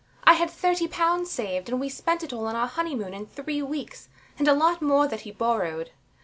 I had thirty pounds saved; and we spent it all on our honeymoon in three weeks, and a lot more that he borrowed.